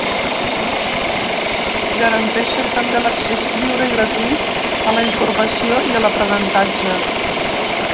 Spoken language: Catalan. Garanteixen també l’accés lliure i gratuït a la informació i a l’aprenentatge.